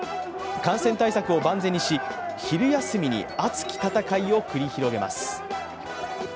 感染対策を万全にし、昼休みに熱き戦いを繰り広げます。